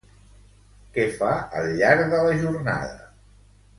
Què fa al llarg de la jornada?